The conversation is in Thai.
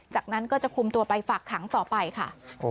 จากนั้นก็จะคุมตัวไปฝากขังต่อไปค่ะ